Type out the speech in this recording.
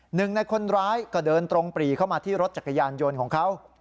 หนึ่งในคนร้ายก็เดินตรงปรีเข้ามาที่รถจักรยานยนต์ของเขา